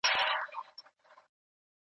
چیرته کولای سو ګمرک په سمه توګه مدیریت کړو؟